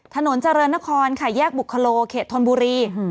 ถนนเจริญนครค่ะแยกบุคโลเขตธนบุรี